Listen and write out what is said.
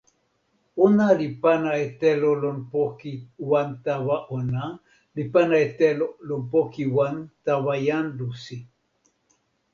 ona li pana e telo lon poki wan tawa ona, li pana e telo lon poki wan tawa jan Lusi.